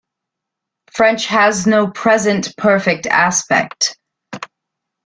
French has no present perfect aspect.